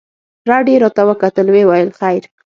رډ يې راته وکتل ويې ويل خير.